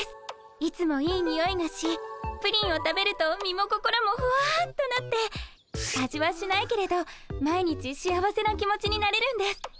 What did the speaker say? いつもいいにおいがしプリンを食べると身も心もほわっとなって味はしないけれど毎日幸せな気持ちになれるんです。